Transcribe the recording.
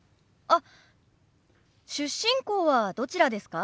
あっ出身校はどちらですか？